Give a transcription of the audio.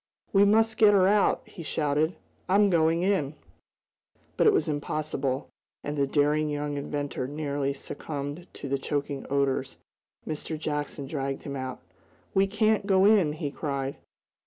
"We must get her out!" he shouted. "I'm going in!" But it was impossible, and the daring young inventor nearly succumbed to the choking odors. Mr. Jackson dragged him back. "We can't go in!" he cried.